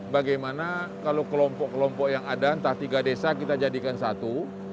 bagaimana kalau kelompok kelompok yang ada entah tiga desa kita jadikan satu